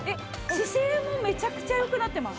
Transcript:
姿勢もめちゃくちゃ良くなってます。